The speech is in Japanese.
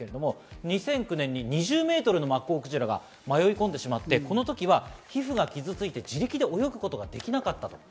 ２００９年に２０メートルのマッコウクジラが迷い込んでしまって、この時は皮膚が傷ついて自力で泳ぐことができなかった。